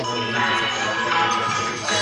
سازمانونه به نوي تړونونه لاسلیک کړي.